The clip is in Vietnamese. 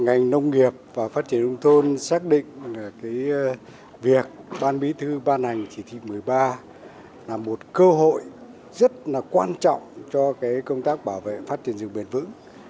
ngành nông nghiệp và phát triển đông thôn xác định việc ban bí thư ban hành chỉ thị một mươi ba là một cơ hội rất quan trọng cho công tác bảo vệ phát triển rừng bền vững